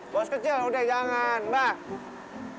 bos kecil udah jangan mbak